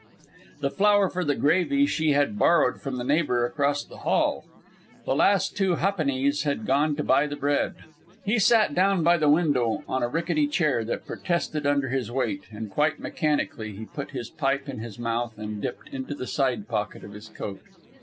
The flour for the gravy she had borrowed from the neighbour across the hall. The last two ha'pennies had gone to buy the bread. He sat down by the window on a rickety chair that protested under his weight, and quite mechanically he put his pipe in his mouth and dipped into the side pocket of his coat.